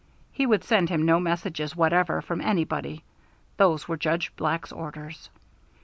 He would send him no messages whatever, from anybody: those were Judge Black's orders.